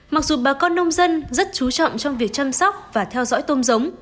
mặc dù bà con nông dân rất chú trọng trong việc chăm sóc và theo dõi tôm giống